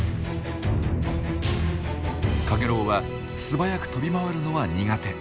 カゲロウは素早く飛び回るのは苦手。